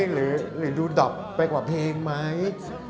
หรือดูดับไปกว่าเพลงไหม